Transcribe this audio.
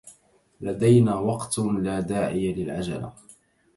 لدينا وقت، لا داعي للعجلة.